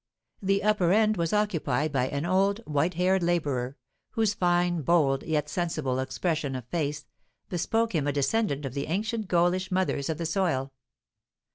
The upper end was occupied by an old, white haired labourer, whose fine, bold, yet sensible expression of face, bespoke him a descendant of the ancient Gaulish mothers of the soil.